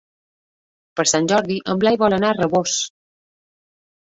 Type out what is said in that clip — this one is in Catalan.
Per Sant Jordi en Blai vol anar a Rabós.